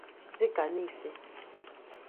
dịka Nise